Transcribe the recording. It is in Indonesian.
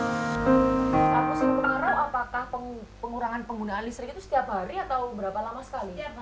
pada musim kemarau apakah pengurangan penggunaan listrik itu setiap hari atau berapa lama sekali